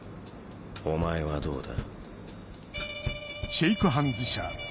お前はどうだ？